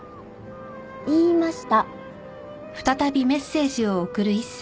言いました。